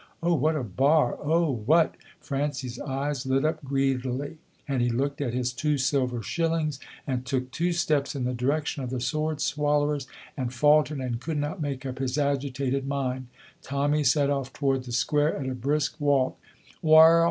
Oh, what a bar, oh, what " Francie's eyes lit up greedily, and he looked at his two silver shillings, and took two steps in the direction of the sword swallower's, and faltered and could not make up his agitated mind. Tommy set off toward the square at a brisk walk.